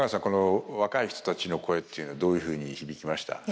この若い人たちの声というのはどういうふうに響きました？